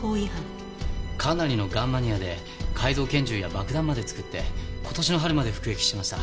かなりのガンマニアで改造拳銃や爆弾まで作って今年の春まで服役してました。